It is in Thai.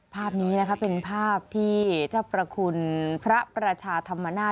ภาพนี้เป็นภาพที่จะประคุณพระประชาธามนา